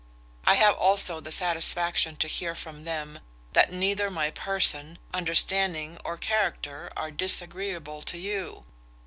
I have also the satisfaction to hear from them, that neither my person, understanding, or character, are disagreeable to you.